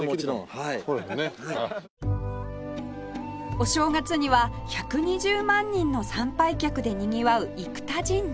お正月には１２０万人の参拝客でにぎわう生田神社